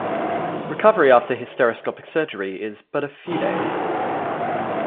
Recovery after hysteroscopic surgery is but a few days.